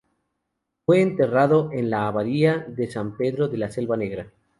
Fue enterrado en la abadía de san Pedro de la selva negra.